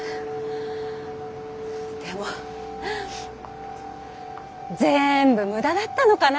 でもぜんぶ無駄だったのかな。